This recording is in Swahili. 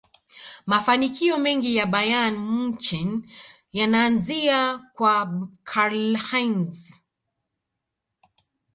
mafanikio mengi ya bayern munich yanaanzia kwa karlheinze